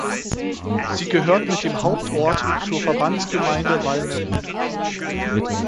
Sie gehört mit dem Hauptort zur Verbandsgemeinde Wallmerod.